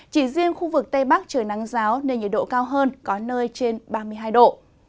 chỉ riêng khu vực tây bắc trời nắng giáo nên nhiệt độ cao hơn có nơi trên ba mươi hai độ